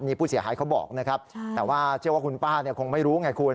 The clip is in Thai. นี่ผู้เสียหายเขาบอกนะครับแต่ว่าเชื่อว่าคุณป้าเนี่ยคงไม่รู้ไงคุณ